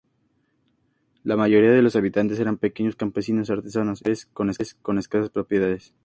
La mayoría de los habitantes eran pequeños campesinos, artesanos y mercaderes con escasas propiedades.